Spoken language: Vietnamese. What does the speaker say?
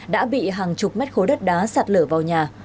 đã bị hàng chục mét khối đất đá sạt lở vào nhà